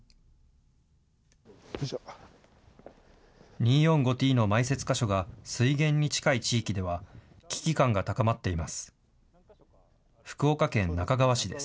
２，４，５ーＴの埋設箇所が水源に近い地域では、危機感が高まっています。